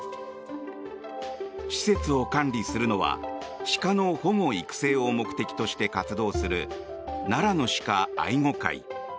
施設を管理するのは鹿の保護育成を目的として活動する奈良の鹿愛護会。